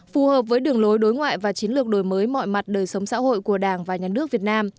phù hợp với đường lối đối ngoại và chiến lược đổi mới mọi mặt đời sống xã hội của đảng và nhà nước việt nam